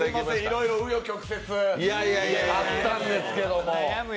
いろいろ紆余曲折あったんですけど。